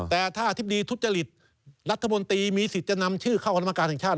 แต่ถ้าอธิบดีทุจริตรัฐมนตรีมีสิทธิ์จะนำชื่อเข้ากรรมการแห่งชาติ